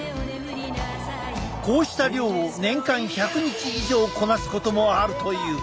こうした漁を年間１００日以上こなすこともあるという。